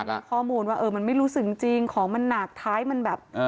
มีข้อมูลว่าเออมันไม่รู้สึกจริงของมันหนักท้ายมันแบบ